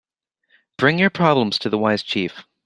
Bring your problems to the wise chief.